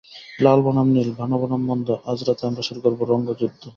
লাল বনাম নীল, ভালো বনাম মন্দ আজ রাতে আমরা শুরু করব রঙ যুদ্ধ!